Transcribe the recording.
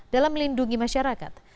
dalam melindungi masyarakat